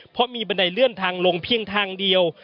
เพราะมีบันไดเลื่อนทางลงเพียงทางเดียว